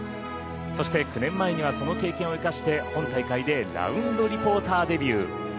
そして、９年前にはその経験を生かして本大会でラウンドリポーターデビュー。